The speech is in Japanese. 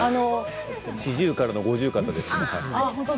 四十肩からの五十肩です。